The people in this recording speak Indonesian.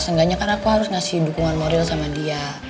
seenggaknya kan aku harus ngasih dukungan moral sama dia